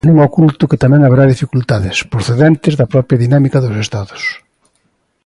E non oculto que tamén haberá dificultades, procedentes da propia dinámica dos estados.